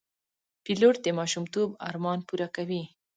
پیلوټ د ماشومتوب ارمان پوره کوي.